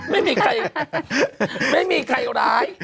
ไม่มีใครไม่มีใครร้าย